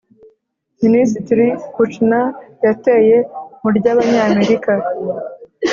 minisitiri kouchner yateye mu ry'abanyamerika